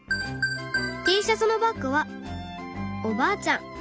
Ｔシャツのバッグはおばあちゃん。